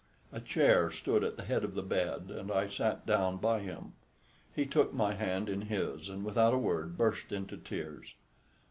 A chair stood at the head of the bed and I sat down by him. He took my hand in his and without a word burst into tears.